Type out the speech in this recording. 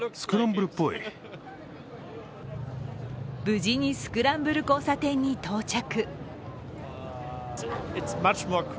無事にスクランブル交差点に到着。